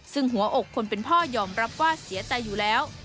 ซึ่งหัวอกคนเป็นพ่อยอมรับว่าเสียใจอยู่แล้ว